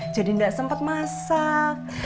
jadi gak sempet masak